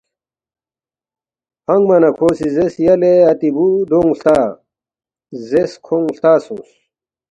فنگما نہ کھو سی زیرس، ”یلے اتی بُو دونگ ہلتا“ زیرس کھونگ ہلتا سونگس